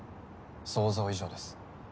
想像以上です。